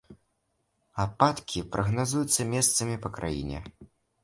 Ападкі прагназуюцца месцамі па краіне.